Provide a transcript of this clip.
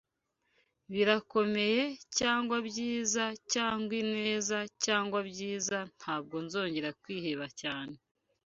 Birakomeye, cyangwa byiza, cyangwa ineza, cyangwa byiza, ntabwo nzongera kwiheba cyane